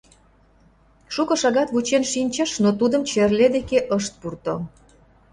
Шуко шагат вучен шинчыш, но тудым черле деке ышт пурто.